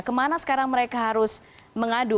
kemana sekarang mereka harus mengadu